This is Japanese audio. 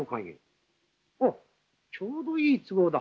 おっちょうどいい都合だ。